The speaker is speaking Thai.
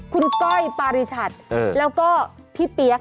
คุณก้อยปาริชัดแล้วก็พี่เปี๊ยก